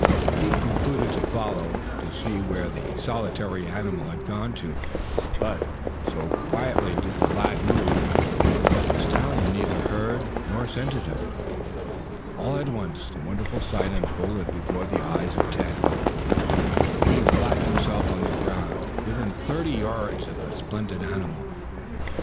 He concluded to follow, to see where the solitary animal had gone to. But so quietly did the lad move that the stallion neither heard nor scented him. All at once the wonderful sight unfolded before the eyes of Tad Butler. He flattened himself on the ground, within thirty yards of the splendid animal.